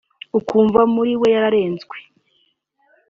ukumva muri we yararezwe